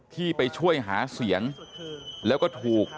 ที่ไปช่วยหาเสียงแล้วก็ถูก